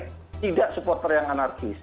tidak supporter yang anarkis